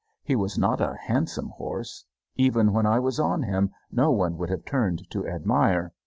He was not a handsome horse. Even when I was on him, no one would have turned to admire.